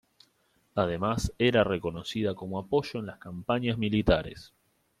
Además era reconocida como apoyo en las campañas militares.